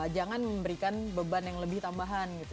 jangan memberikan beban yang lebih tambahan gitu